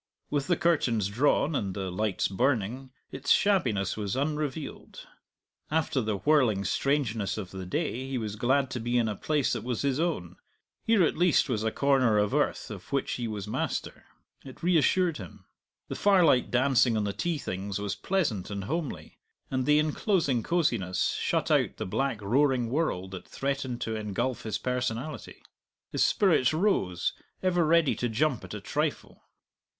With the curtains drawn, and the lights burning, its shabbiness was unrevealed. After the whirling strangeness of the day he was glad to be in a place that was his own; here at least was a corner of earth of which he was master; it reassured him. The firelight dancing on the tea things was pleasant and homely, and the enclosing cosiness shut out the black roaring world that threatened to engulf his personality. His spirits rose, ever ready to jump at a trifle.